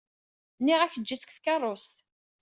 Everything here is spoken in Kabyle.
Nniɣ-ak eǧǧ-itt deg tkeṛṛust.